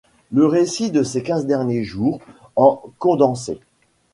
Le récit de ces quinze derniers jours, en condensé.